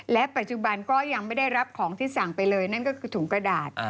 และปัจจุบันก็ยังไม่ได้รับของที่สั่งไปเลยนั่นก็คือถุงกระดาษ